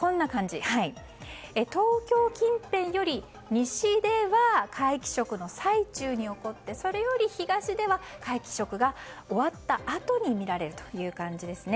東京近辺より西では皆既食の最中に起こってそれより東では皆既食が終わったあとに見られるという感じです。